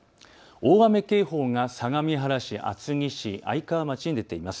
大雨警報が相模原市、厚木市、愛川町に出ています。